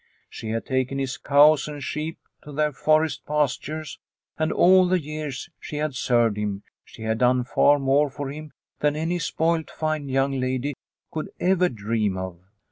She had taken his cows and sheep to their forest pastures, and all the years she had served him she had done far more for him than any spoilt fine young lady could ever dream of.